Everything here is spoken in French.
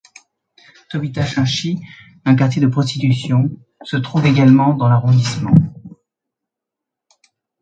Tobita Shinchi, un quartier de prostitution, se trouve également dans l'arrondissement.